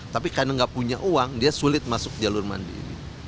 tapi karena nggak punya uang dia sulit masuk jalur mandiri